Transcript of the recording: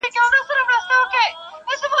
پر ړانده شپه او ورځ يوه ده.